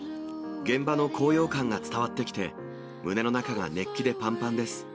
現場の高揚感が伝わってきて、胸の中が熱気でぱんぱんです。